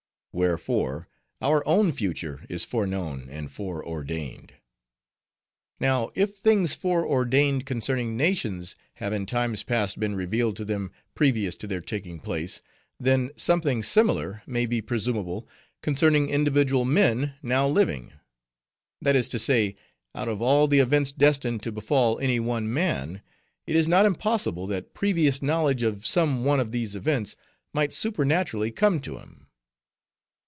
Wherefore our own future is foreknown and foreordained. Now, if things foreordained concerning nations have in times past been revealed to them previous to their taking place, then something similar may be presumable concerning individual men now living. That is to say, out of all the events destined to befall any one man, it is not impossible that previous knowledge of some one of these events might supernaturally come to him.